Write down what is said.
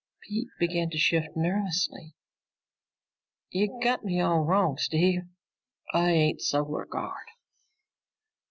Pete began to shift nervously. "You got me all wrong, Steve. I ain't Solar Guard."